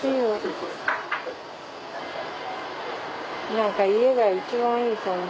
何か家が一番いいと思う。